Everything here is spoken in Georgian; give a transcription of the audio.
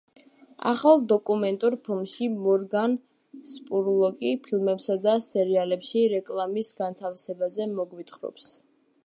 ახალ დოკუმენტურ ფილმში, მორგან სპურლოკი ფილმებსა და სერიალებში რეკლამის განთავსებაზე მოგვითხრობს.